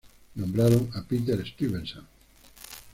Nombraron a Peter Stuyvesant.